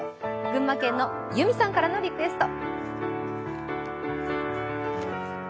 群馬県のゆみさんからのリクエスト。